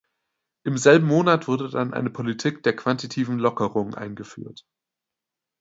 Im selben Monat wurde dann eine Politik der quantitativen Lockerung eingeführt.